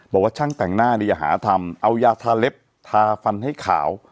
บอกว่าช่างแต่งหน้าเนี่ยอย่าหาทำเอายาทาเล็บทาฟันให้ขาว